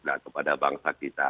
nah kepada bangsa kita